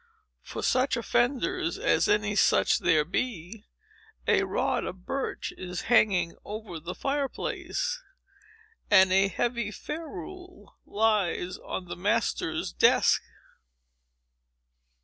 For such offenders, if any such there be, a rod of birch is hanging over the fire place, and a heavy ferule lies on the master's desk.